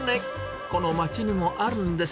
この町にもあるんです。